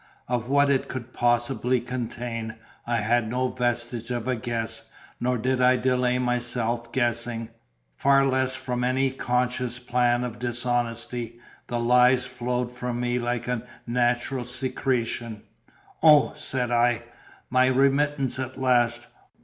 Of what it could possibly contain, I had no vestige of a guess; nor did I delay myself guessing; far less from any conscious plan of dishonesty: the lies flowed from me like a natural secretion. "O," said I, "my remittance at last!